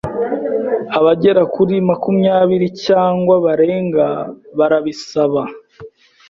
’abagera kuri makumyabiri cyangwa barenga barabisaba,